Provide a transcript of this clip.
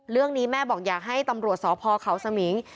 เรื่องนี้แม่บอกอยากให้ตำรวจสพเขาสมิง